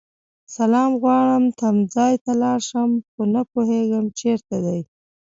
سلام غواړم تمځای ته لاړشم خو نه پوهيږم چیرته دی